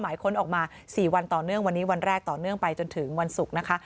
ค้นออกมา๔วันต่อเนื่องวันนี้วันแรกต่อเนื่องไปจนถึงวันศุกร์นะคะ